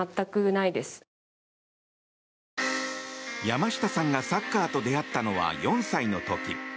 山下さんがサッカーと出会ったのは４歳の時。